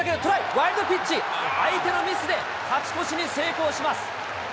ワイルドピッチ、相手のミスで勝ち越しに成功します。